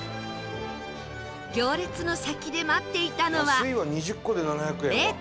行列の先で待っていたのは